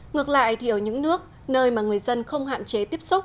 ngược lại ở những nước nơi người dân không hạn chế tiếp xúc